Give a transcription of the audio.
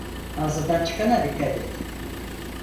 Ağzından çıkana dikkat et.